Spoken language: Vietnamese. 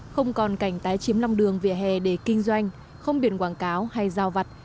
không còn cảnh tái chiếm lòng đường vỉa hè để kinh doanh không biển quảng cáo hay giao vặt